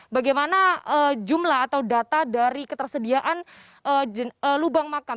bagaimana jumlah atau data dari ketersediaan lubang makam